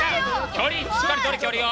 距離しっかりとれ距離を。